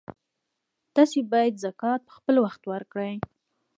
تاسو باید خپل زکات په خپلوخت ورکړئ